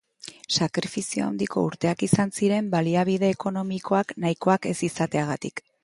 Sakrifizio handiko urteak izan ziren baliabide ekonomiko nahikoak ez izateagatik.